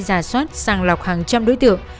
giả soát sàng lọc hàng trăm đối tượng